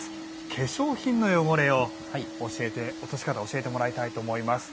化粧品の汚れの落とし方を教えてもらいたいと思います。